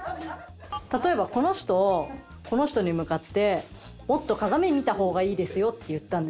例えばこの人この人に向かって「もっと鏡見た方がいいですよ」って言ったんですよ。